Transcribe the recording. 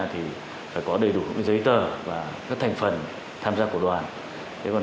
thì phải có đầy đủ những giấy tờ và các thành phần tham gia của đoàn